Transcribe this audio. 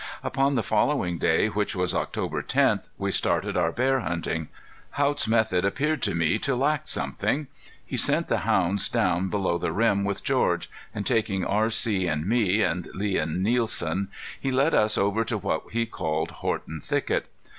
Upon the following day, which was October tenth, we started our bear hunting. Haught's method appeared to me to lack something. He sent the hounds down below the rim with George; and taking R.C. and me, and Lee and Nielsen, he led us over to what he called Horton Thicket.